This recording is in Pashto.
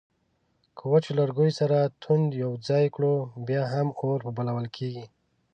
که وچو لرګیو سره توند یو ځای کړو بیا هم اور په بلول کیږي